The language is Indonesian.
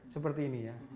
seperti ini ya